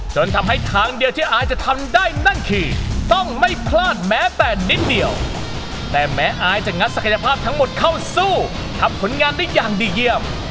จะมีแค่กระยะภาพทั้งหมดเข้าสู้ทำผลงานได้อย่างดีเหี้ยว